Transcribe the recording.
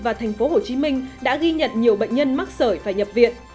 và thành phố hồ chí minh đã ghi nhận nhiều bệnh nhân mắc sởi phải nhập viện